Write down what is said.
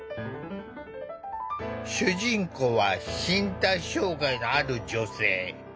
主人公は身体障害のある女性。